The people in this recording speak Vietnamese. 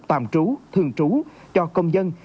tạm trú thường trú cho công dân